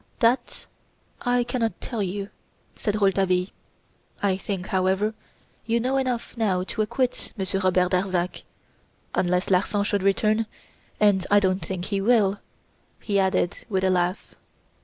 "That I cannot tell you," said Rouletabille. "I think, however, you know enough now to acquit Monsieur Robert Darzac! Unless Larsan should return, and I don't think he will," he added, with a laugh.